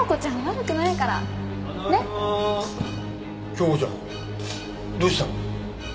京子ちゃんどうした？